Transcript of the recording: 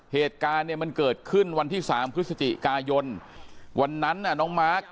เหตุการณ์เนี่ยมันเกิดขึ้นวันที่สามพฤศจิกายนวันนั้นน่ะน้องมาร์ค